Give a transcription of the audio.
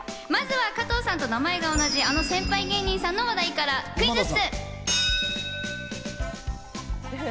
まずは加藤さんと名前が同じ、あの先輩芸人さんの話題からクイズッス！